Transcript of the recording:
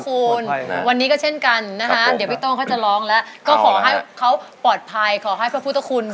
เราไม่เป็นไรพระช่วยครับคุณพระช่วยครับก็ถือว่าปลอดภัยเพราะพระพุทธคุณ